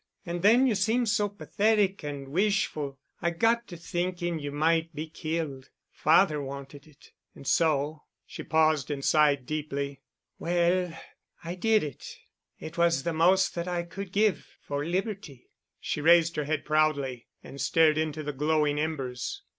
And then you seemed so pathetic and wishful, I got to thinking you might be killed. Father wanted it. And so——" she paused and sighed deeply. "Well—I did it.... It was the most that I could give—for Liberty...." She raised her head proudly, and stared into the glowing embers.